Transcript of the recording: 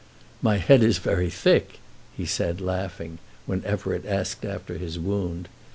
"My head is very thick," he said laughing, when Everett asked after his wound.